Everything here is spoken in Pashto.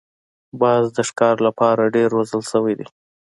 باز د ښکار لپاره ډېر روزل شوی دی